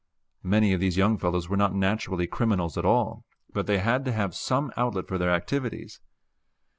Many of these young fellows were not naturally criminals at all, but they had to have some outlet for their activities.